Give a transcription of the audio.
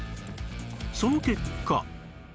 その結果